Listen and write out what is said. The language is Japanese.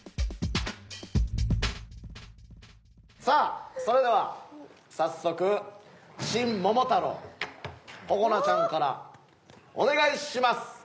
さあそれでは早速『新・桃太郎』ここなちゃんからお願いします！